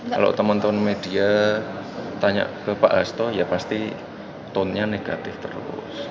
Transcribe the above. kalau teman teman media tanya ke pak hasto ya pasti tone nya negatif terus